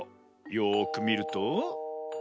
よくみると。